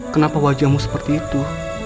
kenapa wajahmu seperti itu